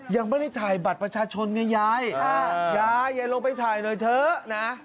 ยังไม่ได้ถ่ายบัตรประชาชนไงยายยายลงไปถ่ายหน่อยเถอะนะ